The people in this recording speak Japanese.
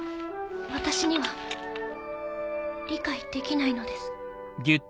私には理解できないのです。